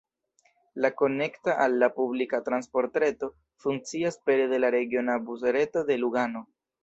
La konekta al la publika transportreto funkcias pere de la regiona busreto de Lugano.